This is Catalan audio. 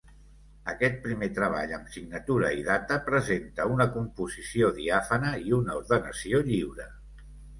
Aquest primer treball amb signatura i data presenta una composició diàfana i una ordenació lliure.